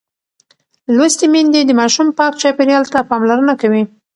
لوستې میندې د ماشوم پاک چاپېریال ته پاملرنه کوي.